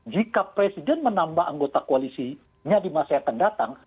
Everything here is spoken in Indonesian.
jika presiden menambah anggota koalisinya di masa yang akan datang